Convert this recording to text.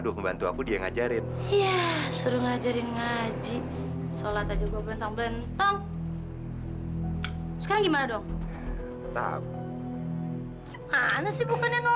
lihat siapa yang datang